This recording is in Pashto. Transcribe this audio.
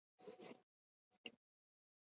د پیرودونکو لپاره ځانګړي تخفیفونه ګټور وي.